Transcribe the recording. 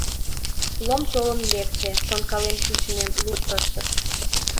Лом толын лекте, шонкален шинчымем лугыч ыштыш.